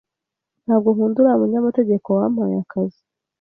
Ntabwo nkunda uriya munyamategeko wampaye akazi.